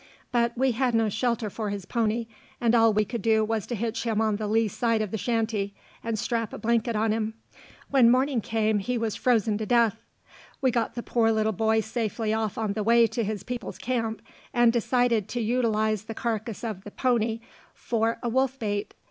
But we had no shelter for his pony, and all we could do was to hitch him on the lee side of the shanty, and strap a blanket on him. When morning came he was frozen to death. We got the poor little boy safely off on the way to his people's camp, and decided to utilize the carcass of the pony for a wolf bait.